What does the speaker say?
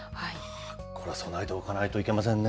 備えておかないといけませんね。